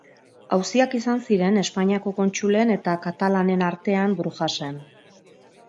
Auziak izan ziren Espainiako kontsulen eta katalanen artean Brujasen.